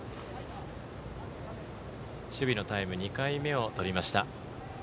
守備のタイム２回目をとりました。